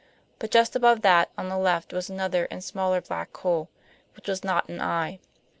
But just above that on the left was another and smaller black hole, which was not an eye.